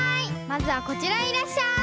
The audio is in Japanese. まずはこちらへいらっしゃい！